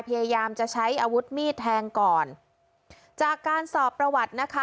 พยายามจะใช้อาวุธมีดแทงก่อนจากการสอบประวัตินะคะ